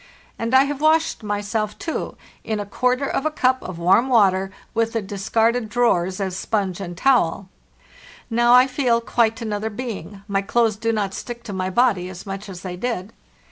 And I have washed myself, too, in a quarter of a cup of warm water, with the discarded drawers as sponge and towel. Now I feel quite another being; my clothes do not stick to my body as much as they did.